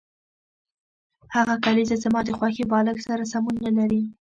هغه کلیزه زما د خوښې بالښت سره سمون نلري